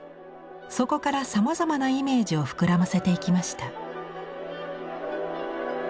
そこからさまざまなイメージを膨らませていきました。